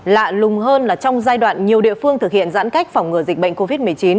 lạ lùng hơn là trong giai đoạn nhiều địa phương thực hiện giãn cách phòng ngừa dịch bệnh covid một mươi chín